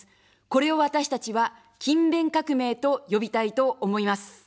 これを私たちは勤勉革命と呼びたいと思います。